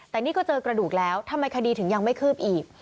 แต่นี่ก็เจอกระดูกแล้วทำไมคดีถึงยังไม่คืบอีก